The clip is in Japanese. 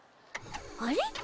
あれ？